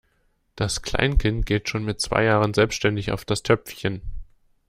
Das Kleinkind geht schon mit zwei Jahren selbstständig auf das Töpfchen.